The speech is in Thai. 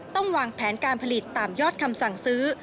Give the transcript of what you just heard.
ต้องวางแผนการผลิตตามยอดคำสั่งซื้อ